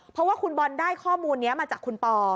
เพราะว่าคุณบอลได้ข้อมูลนี้มาจากคุณปอ